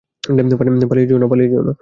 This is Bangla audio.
পালিয়ে যেও না।